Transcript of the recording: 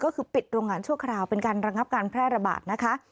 ก็คือปิดโรงงานชั่วคราวเป็นการระงับการแพร่ระบาดนะคะ